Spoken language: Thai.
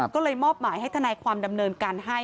ก็เลยมอบหมายให้ทนายความดำเนินการให้